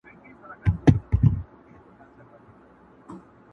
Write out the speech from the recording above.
پاته له جهانه قافله به تر اسمانه وړم.